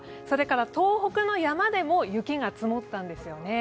東北の山でも雪が積もったんですよね。